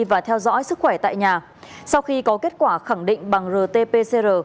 và theo dõi sức khỏe tại nhà sau khi có kết quả khẳng định bằng rt pcr